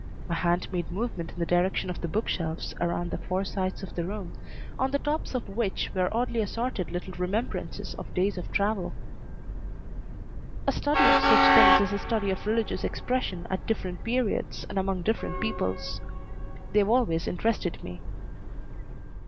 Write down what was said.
My hand made movement in the direction of the bookshelves around the four sides of the room, on the tops of which were oddly assorted little remembrances of days of travel. "A study of such things is a study of religious expression at different periods and among different peoples. They've always interested me."